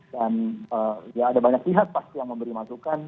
dan ya ada banyak pihak pasti yang memberi masukan